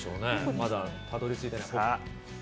まだたどりついていない所。